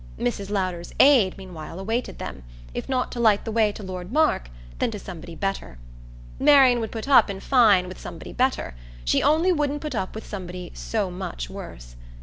Mrs. Lowder's "aid" meanwhile awaited them if not to light the way to Lord Mark, then to somebody better. Marian would put up, in fine, with somebody better; she only wouldn't put up with somebody so much worse.